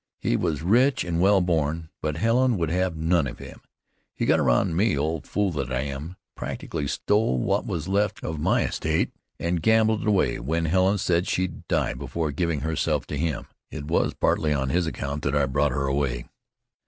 He was rich and well born; but Helen would have none of him. He got around me, old fool that I am! Practically stole what was left of my estate, and gambled it away when Helen said she'd die before giving herself to him. It was partly on his account that I brought her away.